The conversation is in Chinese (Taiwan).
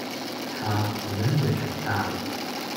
她平安的長大了